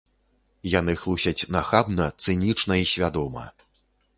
Яны хлусяць нахабна, цынічна і свядома.